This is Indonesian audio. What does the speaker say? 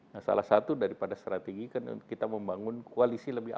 nah salah satu dari pada strategi kan kita membangun koalisi lebih awal